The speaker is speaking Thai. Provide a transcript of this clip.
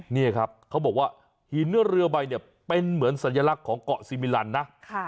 นี่ครับเขาบอกว่าหินเรือใบเนี่ยเป็นเหมือนสัญลักษณ์ของเกาะซีมิลันนะ